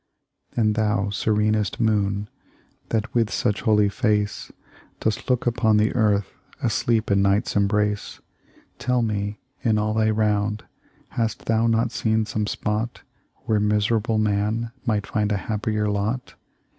"And thou, serenest moon, That with such holy face Dost look upon the Earth Asleep in Night's embrace — Tell me, in all thy round Hast thou not seen some spot Where miserable man Might find a happier lot?